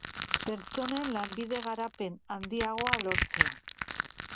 Pertsonen lanbide-garapen handiagoa lortzea